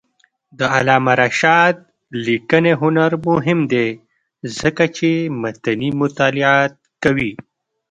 د علامه رشاد لیکنی هنر مهم دی ځکه چې متني مطالعات کوي.